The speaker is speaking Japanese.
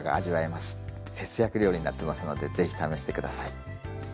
節約料理になってますのでぜひ試してください。